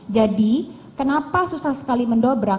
jadi kenapa susah sekali mendobrak